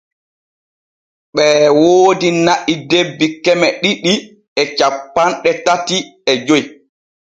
Ɓee woodi na’i debbi keme ɗiɗi e cappanɗe tati e joy.